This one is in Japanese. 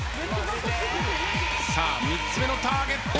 さあ３つ目のターゲット。